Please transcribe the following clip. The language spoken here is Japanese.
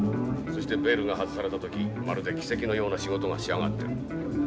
そしてベールが外された時まるで奇跡のような仕事が仕上がってる。